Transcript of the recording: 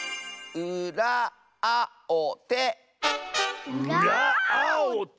うらあをて！